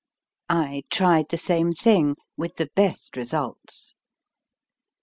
I tried the same thing with the best results.